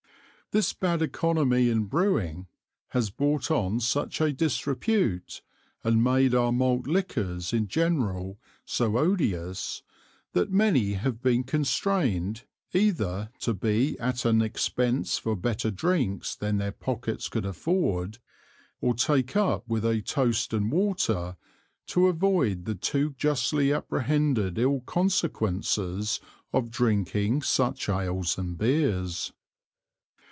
This bad Economy in Brewing has brought on such a Disrepute, and made our Malt Liquors in general so odious, that many have been constrain'd, either to be at an Expence for better Drinks than their Pockets could afford, or take up with a Toast and Water to avoid the too justly apprehended ill Consequences of Drinking such Ales and Beers.